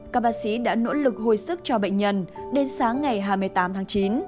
các bác sĩ đã nỗ lực hồi sức cho bệnh nhân đến sáng ngày hai mươi tám tháng chín